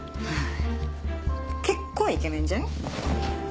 結構イケメンじゃん。